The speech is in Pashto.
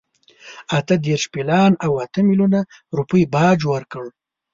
اته دېرش پیلان او اته میلیونه روپۍ باج ورکړ.